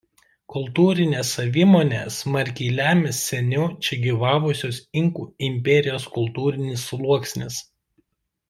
Kultūrinę savimonę smarkiai lemia seniau čia gyvavusios Inkų imperijos kultūrinis sluoksnis.